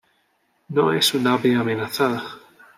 No es un ave amenazada.